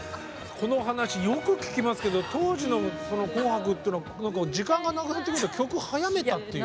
このお話よく聞きますけど当時の「紅白」っていうのは時間がなくなってくると曲早めたっていう。